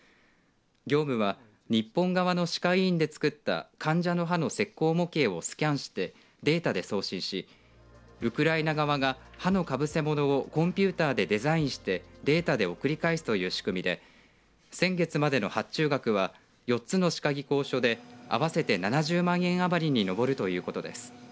業務は日本側の歯科医院で作った患者の歯の石こう模型をスキャンしてデータで送信し、ウクライナ側が歯のかぶせものをコンピューターでデザインしてデータで送り返すという仕組みで先月までの発注額は４つの歯科技工所で合わせて７０万円余りに上るということです。